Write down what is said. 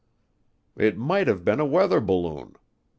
It might have been a weather balloon.